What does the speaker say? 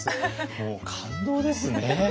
もう感動ですね。